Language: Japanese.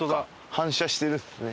反射してるんですね。